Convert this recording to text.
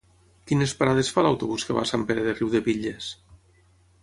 Quines parades fa l'autobús que va a Sant Pere de Riudebitlles?